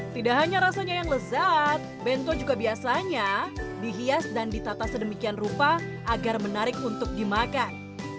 tidak hanya rasanya yang lezat bento juga biasanya dihias dan ditata sedemikian rupa agar menarik untuk dimakan